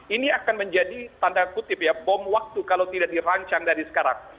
ini akan menjadi tanda kutip ya bom waktu kalau tidak dirancang dari sekarang